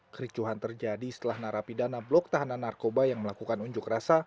kericuhan terjadi setelah narapidana blok tahanan narkoba yang melakukan unjuk rasa